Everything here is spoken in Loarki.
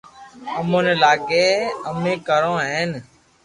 امو ني لاگي امي ڪرو ھين